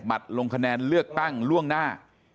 ลงคะแนนเลือกตั้งล่วงหน้า